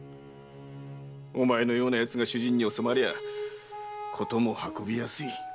お前のような奴が主人に納まりゃことも運びやすい。